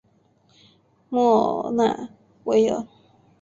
莫纳维尔。